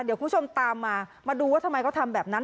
เดี๋ยวคุณผู้ชมตามมามาดูว่าทำไมเขาทำแบบนั้น